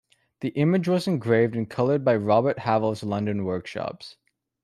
The image was engraved and colored by Robert Havell's, London workshops.